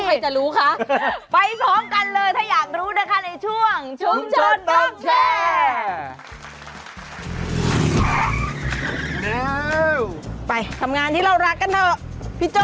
เพื่อพี่ดาวหายไปไหนอีกแลนี่